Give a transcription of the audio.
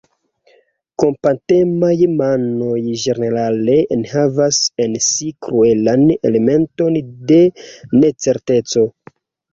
Kompatemaj manoj ĝenerale enhavas en si kruelan elementon de necerteco.